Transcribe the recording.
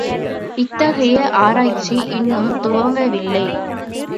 இத்தகைய ஆராய்ச்சி இன்னும் துவங்கவில்லை.